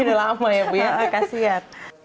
alamak ya bu ya kasian